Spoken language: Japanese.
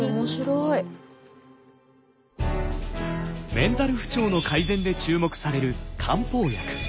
メンタル不調の改善で注目される漢方薬。